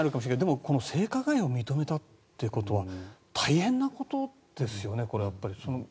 でも、この性加害を認めたってことは大変なことですよね。